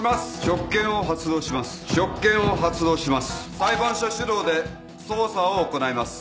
裁判所主導で捜査を行います。